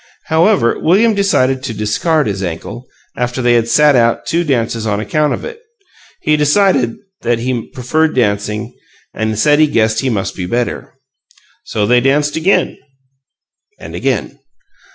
However, William decided to discard his ankle, after they had "sat out" two dances on account of it. He decided that he preferred dancing, and said he guessed he must be better. So they danced again and again.